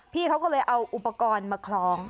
พี่เขาก็เลยเอาอุปกรณ์มาคล้อง